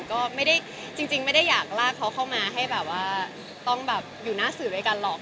ก็ไม่ได้จริงไม่ได้อยากลากเขาเข้ามาให้แบบว่าต้องแบบอยู่หน้าสื่อด้วยกันหรอก